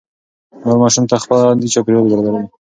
مور ماشوم ته خوندي چاپېريال برابروي.